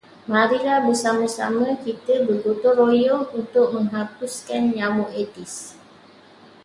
Marilah bersama-sama kita bergotong royong untuk hapuskan nyamuk aedes.